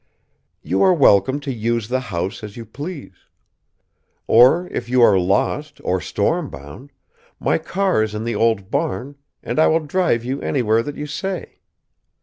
You are welcome to use the house as you please. Or, if you are lost or stormbound, my car is in the old barn and I will drive you anywhere that you say.